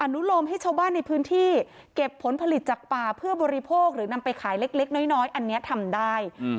นุโลมให้ชาวบ้านในพื้นที่เก็บผลผลิตจากป่าเพื่อบริโภคหรือนำไปขายเล็กน้อยอันนี้ทำได้